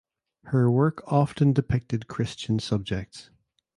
Her work often depicted Christian subjects.